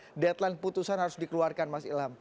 kapan kira kira deadline putusan harus dikeluarkan mas ilham